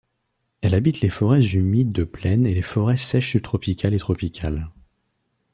Elle habite les forêts humides de plaine et les forêts sèches subtropicales et tropicales.